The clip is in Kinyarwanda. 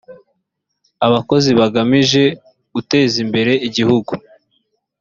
abakozi bagamije gutezimbere igihugu.